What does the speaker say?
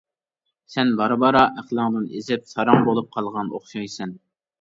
-سەن بارا-بارا ئەقلىڭدىن ئېزىپ ساراڭ بولۇپ قالغان ئوخشايسەن.